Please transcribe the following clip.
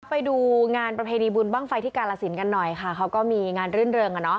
ไปดูงานประเภทดีบุญบ้างไฟที่กาลสินกันหน่อยค่ะเขาก็มีงานเรื่อง